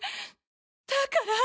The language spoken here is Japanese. だから。